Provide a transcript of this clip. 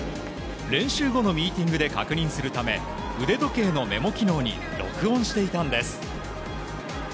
練習後のミーティングで確認するため、腕時計のメモ機能に録音していたんです。